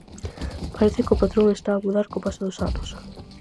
Parece que o patrón está a mudar co paso dos anos.